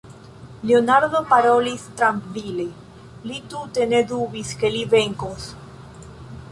Leonardo parolis trankvile; li tute ne dubis, ke li venkos.